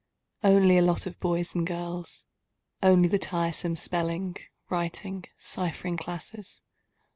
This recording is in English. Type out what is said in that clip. Only a lot of boys and girls? Only the tiresome spelling, writing, ciphering classes?